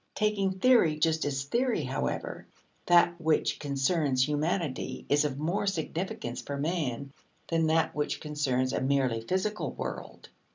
Taking theory just as theory, however, that which concerns humanity is of more significance for man than that which concerns a merely physical world.